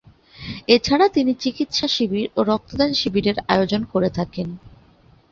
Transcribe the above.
এছাড়া, তিনি চিকিৎসা শিবির ও রক্তদান শিবিরের আয়োজন করে থাকেন।